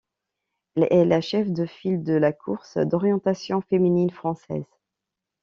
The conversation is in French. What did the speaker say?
Elle est la chef de file de la course d'orientation féminine française.